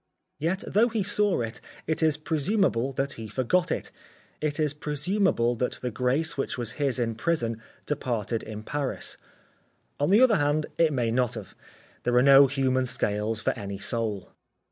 Yet though he saw it, it is presumable that he forgot it. It is presumable that the grace which was his in prison departed in Paris. On the other hand it may not have. There are no human scales for any soul.